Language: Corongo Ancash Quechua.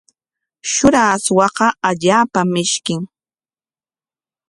Shura aswaqa allaapam mishkin.